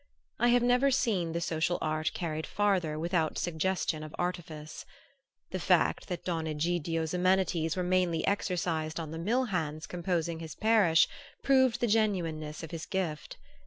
I have never seen the social art carried farther without suggestion of artifice. The fact that Don Egidio's amenities were mainly exercised on the mill hands composing his parish proved the genuineness of his gift.